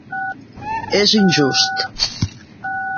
És injust.